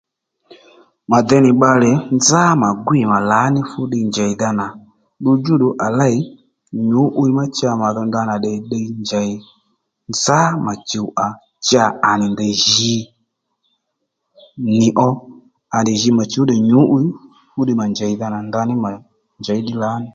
Mà dèy nì bbalè nzá mà gwîy mà lǎní fúddiy njèydha nà ddu djúddù à lêy nyǔ'wiy má cha mà dho tdè ndanà ddiy njèy nzá mà chùw à cha à nì ndèy jǐ ní ó à ji tdè mà chǔw tdè nyǔ'wiy fúddiy mà njèydha nà ndaní mà njěy ddiy lǎní